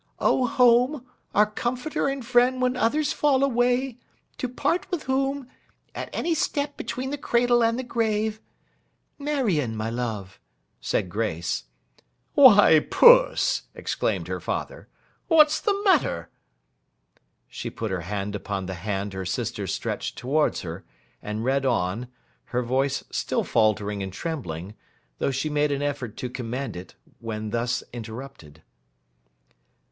O Home, our comforter and friend when others fall away, to part with whom, at any step between the cradle and the grave"'— 'Marion, my love!' said Grace. 'Why, Puss!' exclaimed her father, 'what's the matter?' She put her hand upon the hand her sister stretched towards her, and read on; her voice still faltering and trembling, though she made an effort to command it when thus interrupted.